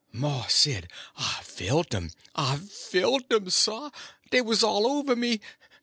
Mars Sid, I felt um—I felt um, sah; dey was all over me.